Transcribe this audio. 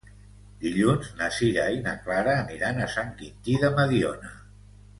Dilluns na Sira i na Clara aniran a Sant Quintí de Mediona.